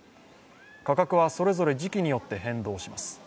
価格はそれぞれ時期によって変動します。